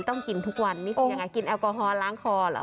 ต้องกินทุกวันนี่คือยังไงกินแอลกอฮอลล้างคอเหรอ